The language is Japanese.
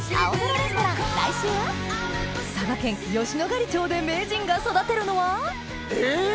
佐賀県吉野ヶ里町で名人が育てるのは・えっ！